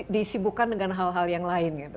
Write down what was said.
disibukkan dengan hal hal yang lain gitu